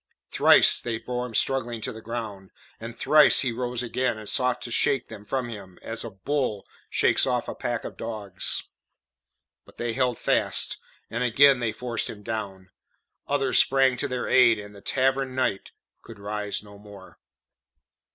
Thrice they bore him struggling to the ground, and thrice he rose again and sought to shake them from him as a bull shakes off a pack of dogs. But they held fast, and again they forced him down; others sprang to their aid, and the Tavern Knight could rise no more.